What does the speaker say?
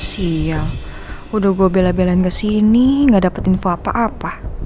siang udah gue bela belain kesini nggak dapet info apa apa